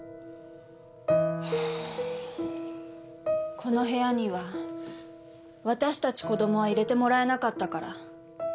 この部屋には私たち子供は入れてもらえなかったから。